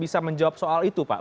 bisa menjawab soal itu pak